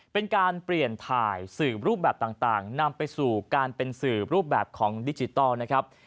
เป็นการเปลี่ยนถ่ายสืบรูปแบบต่างนำไปสู่การเป็นสืบรูปแบบของดิจิทัลนะครับ